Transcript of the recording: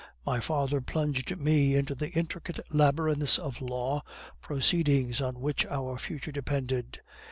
My father plunged me into the intricate labyrinths of law proceedings on which our future depended.